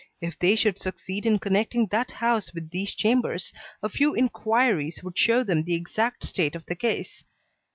If they should succeed in connecting that house with these chambers, a few inquiries would show them the exact state of the case.